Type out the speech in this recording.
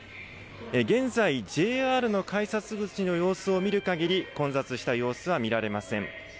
現在ＪＲの改札口の様子を見るかぎり混雑した様子は見られません。